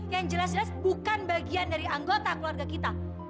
yang jelas jelas bukan bagian dari anggota keluarga kita